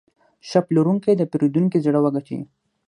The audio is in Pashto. ښه پلورونکی د پیرودونکي زړه وګټي.